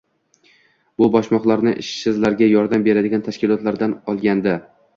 Bu boshmoqlarni ishsizlarga yordam beradigan tashkilotdan olgandi